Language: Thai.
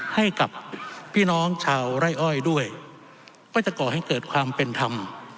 ให้กับพี่น้องชาวไร่อ้อยด้วยก็จะก่อให้เกิดความเป็นธรรม